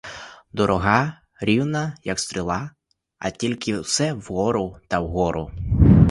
Дорога рівна, як стріла, а тільки все вгору та вгору.